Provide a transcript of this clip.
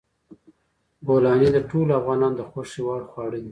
بولاني د ټولو افغانانو د خوښې خواړه دي.